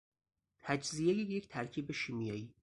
تجزیهی یک ترکیب شیمیایی